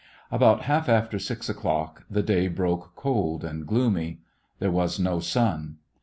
About half after six o'clock the day broke cold and gloomy. There was no sun.